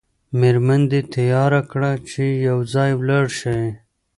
میرمن دې تیاره کړه چې یو ځای ولاړ شئ.